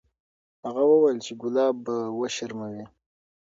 هغې وویل چې ګلاب به وشرموي.